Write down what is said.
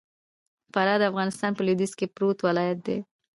فراه د افغانستان په لوېديځ کي پروت ولايت دئ.